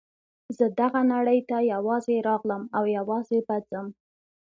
زه دغه نړۍ ته یوازې راغلم او یوازې به ځم.